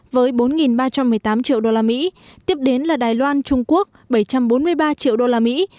với bốn ba trăm một mươi tám triệu đô la mỹ tiếp đến là đài loan trung quốc bảy trăm bốn mươi ba triệu đô la mỹ